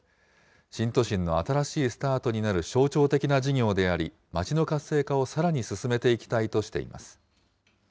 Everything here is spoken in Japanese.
新都心の新しいスタートになる象徴的な事業であり、街の活性化をさらに進めていきたいとしています。